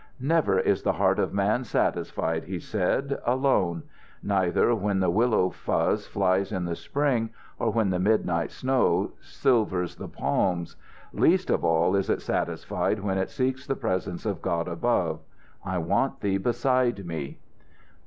"Never is the heart of man satisfied," he said, "alone. Neither when the willow fuzz flies in the spring, or when the midnight snow silvers the palms. Least of all is it satisfied when it seeks the presence of God above. I want thee beside me."